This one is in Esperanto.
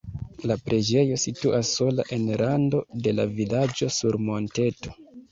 La preĝejo situas sola en rando de la vilaĝo sur monteto.